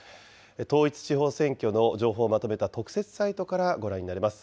統一地方選挙の情報をまとめた特設サイトからご覧になれます。